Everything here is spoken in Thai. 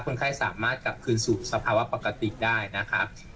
คนไข้สามารถกลับคืนสู่สภาวะปกติได้นะครับ